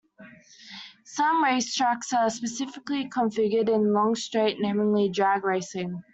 Some racetracks are specifically configured in a long straight, namely drag racing.